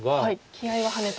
気合いはハネと。